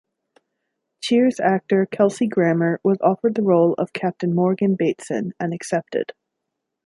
"Cheers" actor Kelsey Grammer was offered the role of Captain Morgan Bateson and accepted.